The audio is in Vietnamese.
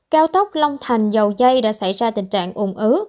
cao tốc long thành dầu dây đã xảy ra tình trạng ủng ứ